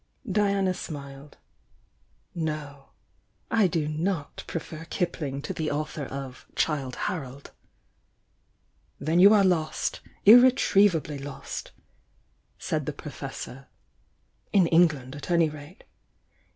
Diana smiled. "No. I do not prefer Kipling to the author of 'ChUde Harold.' " "Then you are lost — hretrievably lost!" said the Professor. "In England, at any rate.